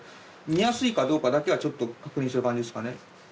見やすいかどうかだけはちょっと確認する感じですかね。